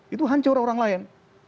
itu hancur orang lain